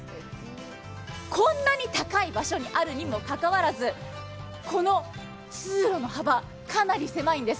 こんなに高い場所にあるにもかかわらずこの通路の幅、かなり狭いんです。